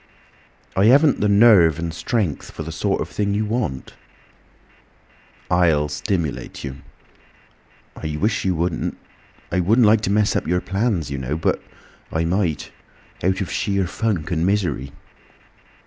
"I haven't the nerve and strength for the sort of thing you want." "I'll stimulate you." "I wish you wouldn't. I wouldn't like to mess up your plans, you know. But I might—out of sheer funk and misery."